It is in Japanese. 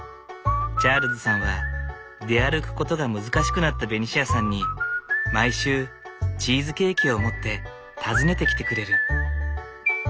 チャールズさんは出歩くことが難しくなったベニシアさんに毎週チーズケーキを持って訪ねてきてくれる。